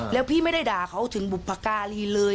แล้วพี่ไม่ได้ด่าเขาถึงบุพการีเลย